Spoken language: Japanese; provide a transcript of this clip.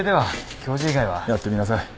やってみなさい。